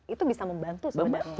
itu bisa membantu sebenarnya